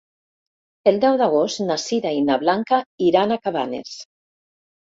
El deu d'agost na Sira i na Blanca iran a Cabanes.